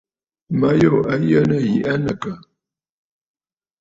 Ma yû a yə nɨ̂ yiʼi aa nɨ̂ àkə̀?